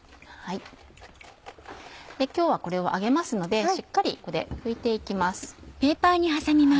今日はこれを揚げますのでしっかりここで拭いて行きます。